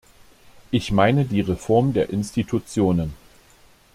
Ich meine die Reform der Institutionen.